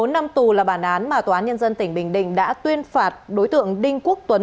bốn năm tù là bản án mà tòa án nhân dân tỉnh bình định đã tuyên phạt đối tượng đinh quốc tuấn